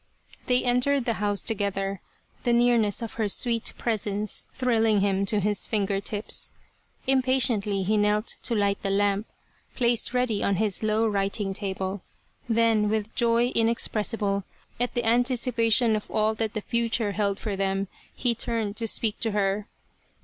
They entered the house together, the nearness of her sweet presence thrilling him to his finger tips. Impatiently he knelt to light the lamp, placed ready on his low writing table, then with joy inexpressible at the anticipation of all that the future held for them, he turned to speak to her.